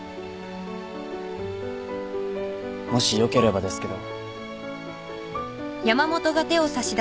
もしよければですけど。